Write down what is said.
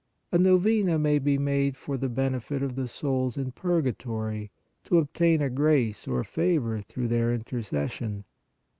A Novena may be made for the benefit of the souls in purgatory to obtain a grace or favor through their intercession.